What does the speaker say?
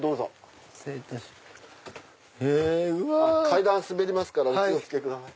階段滑りますからお気を付けください。